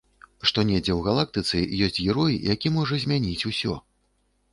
Што недзе ў галактыцы ёсць герой, які можа змяніць усё.